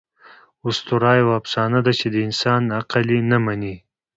آسطوره یوه افسانه ده، چي د انسان عقل ئې نه مني.